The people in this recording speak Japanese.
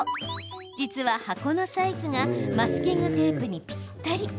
実は、箱のサイズがマスキングテープにぴったり。